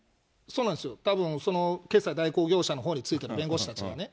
そうなんですよ、たぶん、その決済代行業者に付いてた弁護士たちがね。